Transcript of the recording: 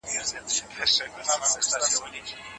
د خیبر دره ستراتیژیک ارزښت لري.